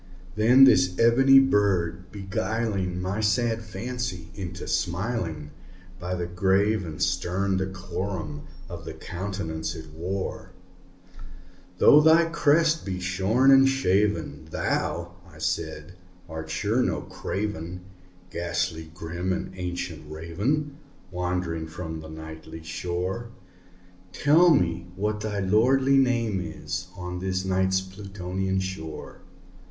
Then this ebony bird beguiling my sad fancy into smiling, By the grave and stern decorum of the countenance it wore, "Though thy crest be shorn and shaven, thou," I said, "art sure no craven, Ghastly grim and ancient Raven wandering from the Nightly shore Tell me what thy lordly name is on the Night's Plutonian shore!"